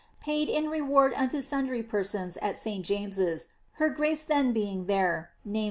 Paid in reward unto sundry persons at St. James*a— her grace then being there — viz.